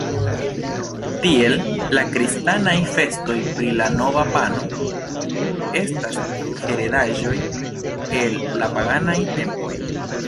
Tiel la kristanaj festoj pri la nova pano, estas heredaĵoj el la paganaj tempoj.